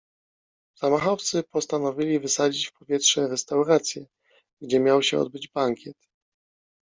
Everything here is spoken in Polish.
Zamachowcy postanowili wysadzić w powietrze restaurację, gdzie miał się odbyć bankiet.